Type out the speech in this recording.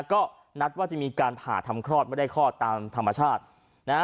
ก็นัดว่าจะมีการผ่าทำคลอดไม่ได้คลอดตามธรรมชาตินะฮะ